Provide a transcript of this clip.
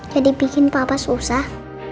jadi bikin papa susah